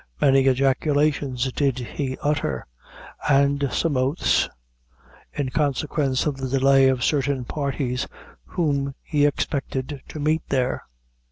Many ejaculations did he utter, and some oaths, in consequence of the delay of certain parties whom he expected to meet there.